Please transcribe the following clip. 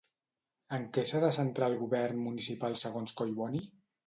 En què s'ha de centrar el govern municipal segons Collboni?